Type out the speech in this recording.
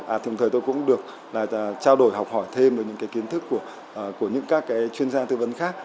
à đồng thời tôi cũng được là trao đổi học hỏi thêm được những cái kiến thức của những các chuyên gia tư vấn khác